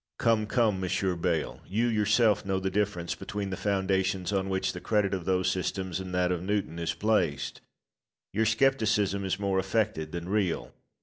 Locke. Come, come, Monsieur Bayle, you yourself know the difference between the foundations on which the credit of those systems and that of Newton is placed. Your scepticism is more affected than real.